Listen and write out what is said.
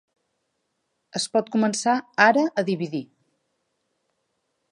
Es pot començar ara a dividir.